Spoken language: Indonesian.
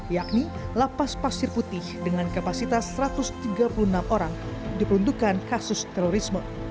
yakni lapas pasir putih dengan kapasitas satu ratus tiga puluh enam orang diperuntukkan kasus terorisme